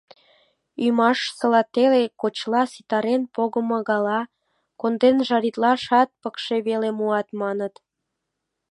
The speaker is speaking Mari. — Ӱмашсыла теле гочлан ситарен погымо гала... конден жаритлашат пыкше веле муат, маныт.